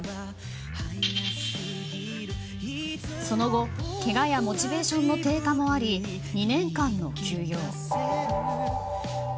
その後、けがやモチベーションの低下もあり２年間の休養。